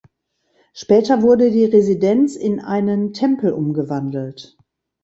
Später wurde die Residenz in einen Tempel umgewandelt.